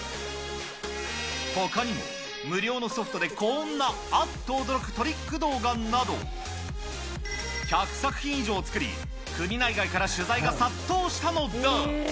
ほかにも無料のソフトでこんなあっと驚くトリック動画など、１００作品以上作り、国内外から取材が殺到したのだ。